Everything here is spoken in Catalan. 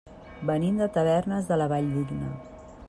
Venim de Tavernes de la Valldigna.